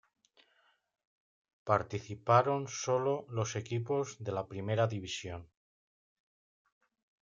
Participaron sólo los equipos de la Primera División.